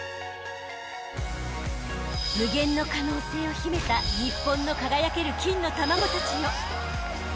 ［無限の可能性を秘めた日本の輝ける金の卵たちよ］